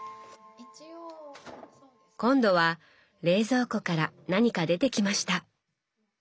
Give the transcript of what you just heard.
今度は冷蔵庫から何か出てきました。